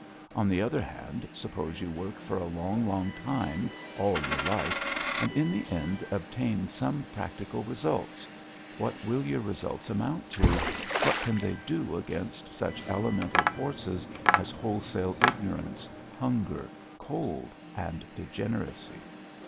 On the other hand, suppose you work for a long, long time, all you life, and in the end obtain some practical results what will your results amount to, what can they do against such elemental forces as wholesale ignorance, hunger, cold, and degeneracy?